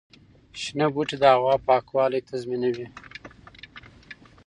شنه بوټي د هوا پاکوالي تضمینوي.